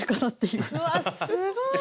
うわあすごい！